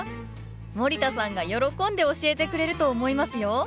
森田さんが喜んで教えてくれると思いますよ。